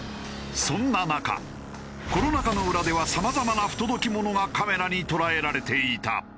そんな中コロナ禍の裏では様々な不届き者がカメラに捉えられていた。